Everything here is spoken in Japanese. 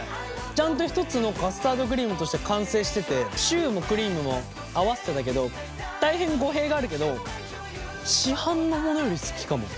ちゃんと一つのカスタードクリームとして完成しててシューもクリームも合わせてたけど大変語弊があるけど市販のものより好きかも。